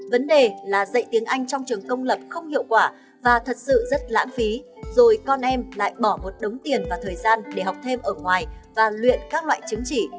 vấn đề là dạy tiếng anh trong trường công lập không hiệu quả và thật sự rất lãng phí rồi con em lại bỏ một đống tiền và thời gian để học thêm ở ngoài và luyện các loại chứng chỉ